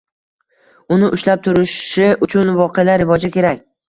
Uni ushlab turishi uchun voqealar rivoji kerak.